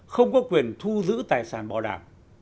không có quyền thu giữ tài sản bảo đảm